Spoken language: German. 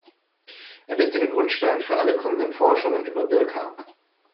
Er legte den Grundstein für alle kommenden Forschungen über Birka.